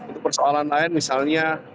itu persoalan lain misalnya